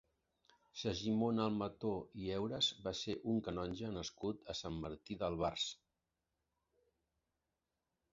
Segimon Almató i Euras va ser un canonge nascut a Sant Martí d'Albars.